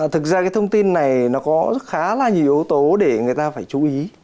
thực ra cái thông tin này nó có khá là nhiều yếu tố để người ta phải chú ý